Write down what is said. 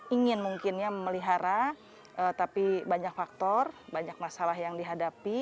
ingin mungkin ya memelihara tapi banyak faktor banyak masalah yang dihadapi